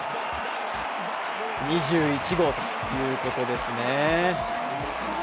２１号ということですね。